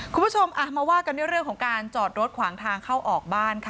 คุณผู้ชมมาว่ากันด้วยเรื่องของการจอดรถขวางทางเข้าออกบ้านค่ะ